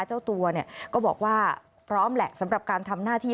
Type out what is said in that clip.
เจ้าตัวเนี่ยก็บอกว่าพร้อมแหละสำหรับการทำหน้าที่